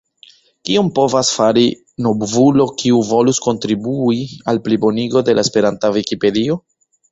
Kion povas fari novulo, kiu volus kontribui al plibonigo de la esperanta Vikipedio?